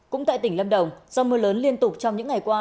cũng tại tỉnh lâm đồng do mưa lớn liên tục trong những ngày qua